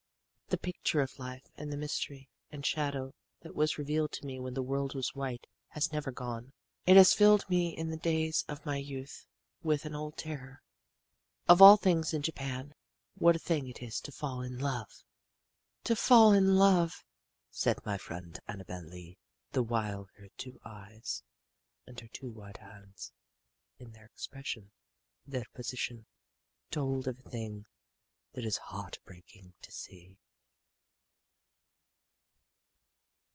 "The picture of life and the mystery and shadow that was revealed to me when the world was white has never gone. It has filled me in the days of my youth with an old terror. "Of all things in Japan, what a thing it is to fall in love! "To fall in love!" said my friend Annabel Lee, the while her two eyes and her two white hands, in their expression, their position, told of a thing that is heart breaking to see.